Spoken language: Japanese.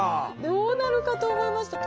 どうなるかと思いました。